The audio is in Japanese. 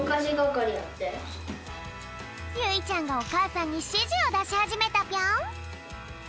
ゆいちゃんがおかあさんにしじをだしはじめたぴょん。